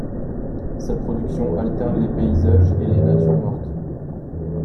Sa production alterne les paysages et les natures mortes.